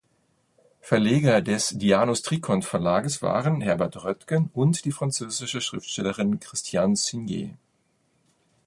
Verleger des Dianus-Trikont-Verlages waren Herbert Röttgen und die französische Schriftstellerin Christiane Singer.